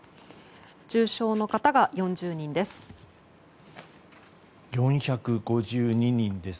重症の方が４０人です。